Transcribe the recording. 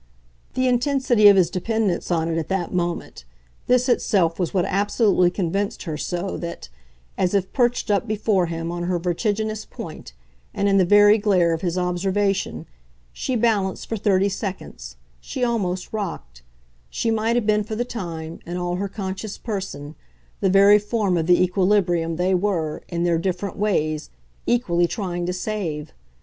The intensity of his dependence on it at that moment this itself was what absolutely convinced her so that, as if perched up before him on her vertiginous point and in the very glare of his observation, she balanced for thirty seconds, she almost rocked: she might have been for the time, in all her conscious person, the very form of the equilibrium they were, in their different ways, equally trying to save.